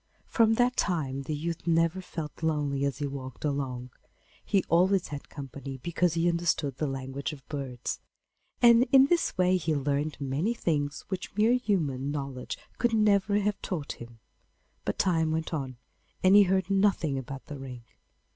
From that time the youth never felt lonely as he walked along; he always had company, because he understood the language of birds; and in this way he learned many things which mere human knowledge could never have taught him. But time went on, and he heard nothing about the ring.